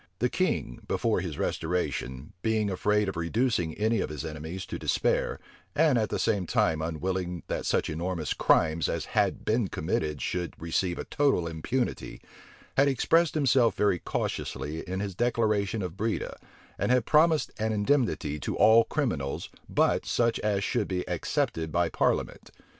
The king, before his restoration, being afraid of reducing any of his enemies to despair, and at the same time unwilling that such enormous crimes as had been committed should receive a total impunity, had expressed himself very cautiously in his declaration of Breda, and had promised an indemnity to all criminals, but such as should be excepted by parliament.